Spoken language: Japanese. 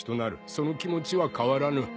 その気持ちは変わらぬ